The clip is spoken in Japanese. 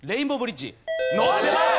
よっしゃ！